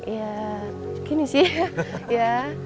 ya gini sih ya